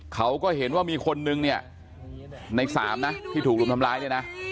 เขาก็เห็นว่ามีคนนึงเนี่ยใน๓นะที่ถูกรุมทำร้ายเนี่ยนะ